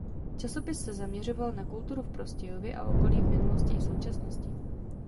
Časopis se zaměřoval na kulturu v Prostějově a okolí v minulosti i současnosti.